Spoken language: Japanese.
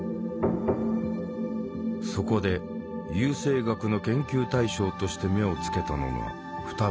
そこで優生学の研究対象として目をつけたのが双子だった。